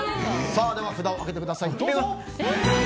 札を上げてください、どうぞ。